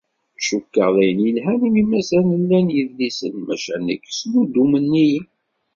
Cukkeɣ d ayen yelhan imi mazal llan yedlisen, maca nekk snuddumen-iyi.